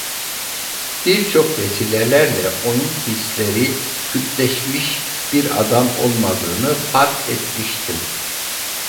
Birçok vesilelerle, onun hisleri kütleşmiş bir adam olmadığını fark etmiştim.